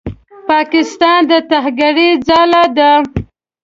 پاکستان د ترهګرۍ ځاله ده.